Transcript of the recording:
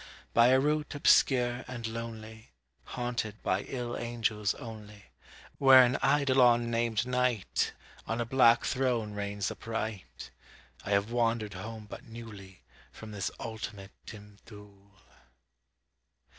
By a route obscure and lonely, Haunted by ill angels only, Where an Eidolon, named NIGHT, On a black throne reigns upright, I have wandered home but newly From this ultimate dim Thule.